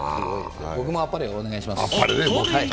僕もあっぱれ、お願いします。